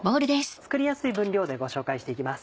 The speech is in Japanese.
作りやすい分量でご紹介していきます。